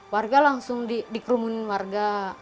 warga langsung dikerumunin warga